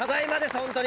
本当に。